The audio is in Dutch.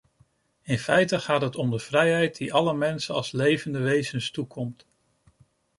In feite gaat het om de vrijheid die alle mensen als levende wezens toekomt.